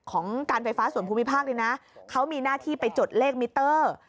ของการไฟฟ้าส่วนภูมิภาคนี้นะเขามีหน้าที่ไปจดเลขมิเตอร์